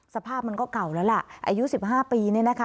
สภาพมันก็เก่าแล้วล่ะอายุ๑๕ปีเนี่ยนะคะ